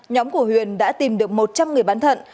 nhóm của huyền đã tìm được một trăm linh người bán thận